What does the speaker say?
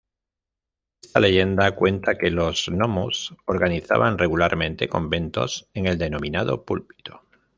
Esta leyenda cuenta que los gnomos organizaban regularmente conventos en el denominado "púlpito".